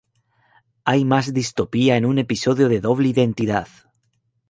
Hay más distopía en un episodio de "Doble Identidad"".